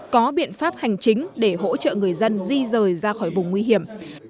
có biện pháp hành chính để hỗ trợ người dân di rời ra khỏi vùng nguy hiểm